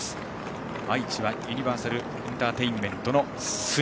愛知はユニバーサルエンターテインメントの鷲見。